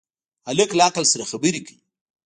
هلک له عقل سره خبرې کوي.